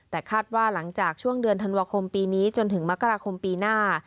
แต่คาดว่าหลังจากช่วงเดือนธันวาคมปีนี้จนถึงมกราคมปีหน้า